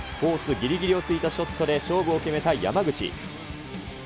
ぎりぎりを突いたショットで勝負を決めた山口。